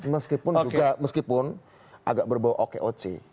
meskipun juga agak berbau oke oce